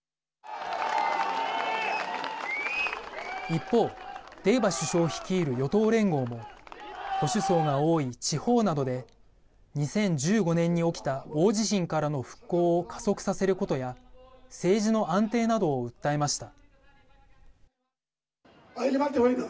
一方デウバ首相率いる与党連合も保守層が多い地方などで２０１５年に起きた大地震からの復興を加速させることや政治の安定などを訴えました。